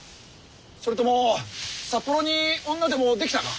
それとも札幌に女でもできたか？